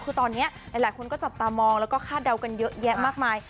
คือตอนนี้หลายคนก็จับตามองแล้วก็คาดเดากันเยอะแยะมากมาย